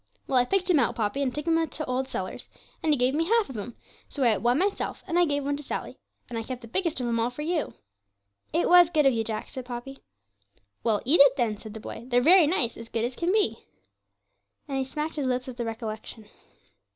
Well, I picked 'em out, Poppy, and took 'em to old Sellers, and he gave me half of 'em: so I ate one myself, and I gave one to Sally, and I kept the biggest of 'em all for you.' 'It was good of you, Jack,' said Poppy. 'Well, eat it then,' said the boy 'they're very nice as good as can be,' and he smacked his lips at the recollection.